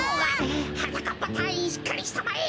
はなかっぱたいいんしっかりしたまえ！